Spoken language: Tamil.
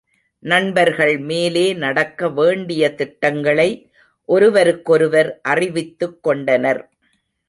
நண்பர்கள் மேலே நடக்க வேண்டிய திட்டங்களை ஒருவருக்கொருவர் அறிவித்துக் கொண்டனர்.